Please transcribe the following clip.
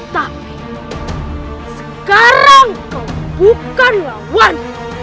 tapi sekarang kau bukan lawan